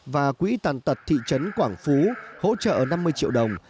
và quỹ tàn tật thị trấn quảng phú hỗ trợ năm mươi triệu đồng